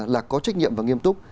là có trách nhiệm và nghiêm túc